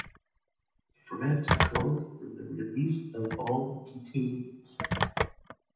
France called for release of all detainees.